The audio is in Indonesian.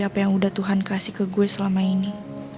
apa yang udah tuhan kasih ke gue selama ini